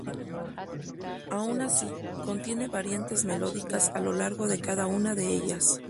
Aun así, contienen variantes melódicas a lo largo de cada una de ellas.